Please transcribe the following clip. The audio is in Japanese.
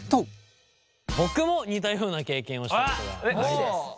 僕も似たような経験をしたことがあります。